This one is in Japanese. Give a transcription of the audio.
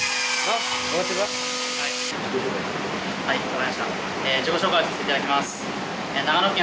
はい。